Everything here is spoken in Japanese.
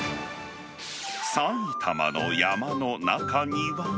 埼玉の山の中には。